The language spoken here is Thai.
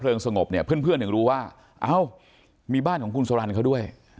เพลิงสงบเนี่ยเพื่อนเพื่อนถึงรู้ว่าอ้าวมีบ้านของคุณสวรรค์เขาด้วย